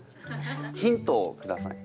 ヒントをください！